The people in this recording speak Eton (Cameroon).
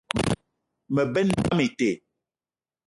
Me benn pam ite.